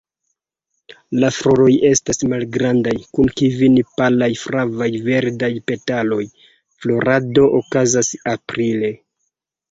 La floroj estas malgrandaj, kun kvin palaj flav-verdaj petaloj; florado okazas aprile.